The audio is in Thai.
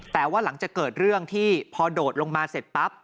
แต่ว่าหลังจากเกิดเรื่องที่พอโดดลงมาเสร็จปั๊บ